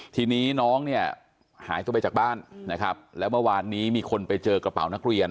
ทีนี้น้องเนี่ยหายตัวไปจากบ้านนะครับแล้วเมื่อวานนี้มีคนไปเจอกระเป๋านักเรียน